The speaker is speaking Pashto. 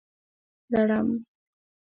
🦂 لړم